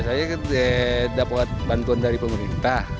saya dapat bantuan dari pemerintah